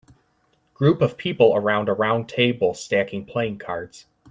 Group of people around a round table stacking playing cards.